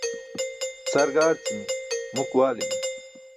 Sar gaarci̇mi̇, muk waali̇mi̇.